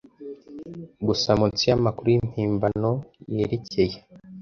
gusa munsi yamakuru yimpimbano yerekeye